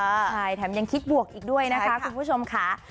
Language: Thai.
ใช่แถมยังคิดบวกอีกด้วยนะคะคุณผู้ชมค่ะ